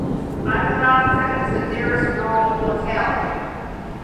Ivanovka is the nearest rural locality.